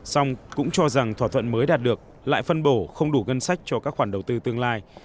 xong cũng cho rằng thỏa thuận mới đạt được lại phân bổ không đủ ngân sách cho các khoản đầu tư tương lai